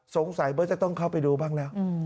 สงสัยเบอร์จะต้องเข้าไปดูบ้างแล้ว